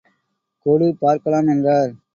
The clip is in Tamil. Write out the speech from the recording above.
கொடு பார்ககலாம் என்றார்.